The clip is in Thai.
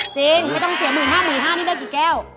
จริงไม่ต้องเสียหมื่นห้าหมื่นห้านี่ได้กี่แก้ว